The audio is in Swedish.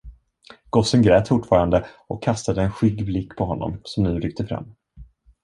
Gossen grät fortfarande och kastade en skygg blick på honom, som nu ryckte fram.